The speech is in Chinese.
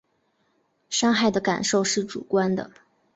伤害的感受是主观的